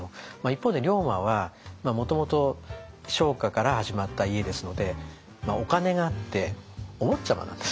一方で龍馬はもともと商家から始まった家ですのでお金があってお坊ちゃまなんですよね。